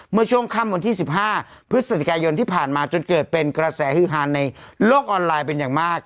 เมื่อช่วงค่ำวันที่๑๕พฤศจิกายนที่ผ่านมาจนเกิดเป็นกระแสฮือฮานในโลกออนไลน์เป็นอย่างมาก